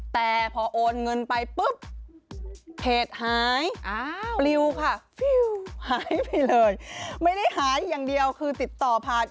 แต่พอโอนเงินไปปุ๊บเพจหายปลิวค่ะฟิวหายไปเลยไม่ได้หายอย่างเดียวคือติดต่อผ่าน